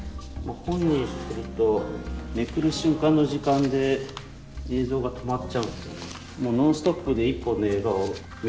本にするとめくる瞬間の時間で映像が止まっちゃうんですよね。